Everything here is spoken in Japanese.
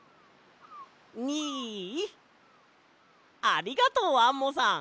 ありがとうアンモさん！